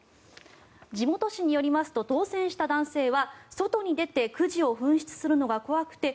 地元紙によりますと当選した男性は外に出てくじを紛失するのが怖くて